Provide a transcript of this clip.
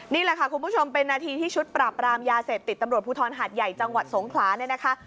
นี่แหละค่ะคุณผู้ชมเป็นนาทีที่ชุดปราบรามยาเสพติดตำรวจภูทรหาดใหญ่จังหวัดสงขลาเนี่ยนะคะ